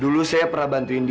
dulu saya pernah bantuin dia